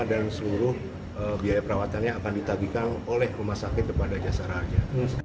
dan seluruh biaya perawatannya akan ditabikan oleh rumah sakit kepada jasara harja